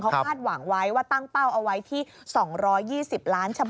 เขาคาดหวังไว้ว่าตั้งเป้าเอาไว้ที่๒๒๐ล้านฉบับ